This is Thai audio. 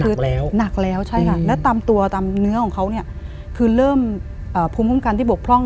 คือหนักแล้วใช่ค่ะแล้วตามตัวตามเนื้อของเขาเนี่ยคือเริ่มภูมิคุ้มกันที่บกพร่อง